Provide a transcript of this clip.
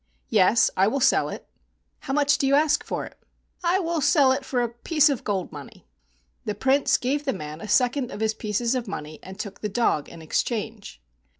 "Yes, I will sell it." "How much do you ask for it ?" "I will sell it for a piece of gold money." The Prince gave the man a second of his pieces of money and took the dog in exchange.